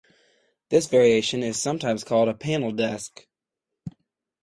This variation is sometimes called a "panel desk".